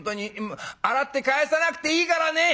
洗って返さなくていいからね」。